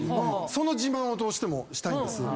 その自慢をどうしてもしたい。